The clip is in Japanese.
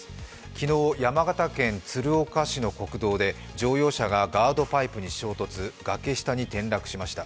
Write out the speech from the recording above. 昨日、山形県鶴岡市の国道で乗用車がガードパイプに衝突、崖下に転落しました。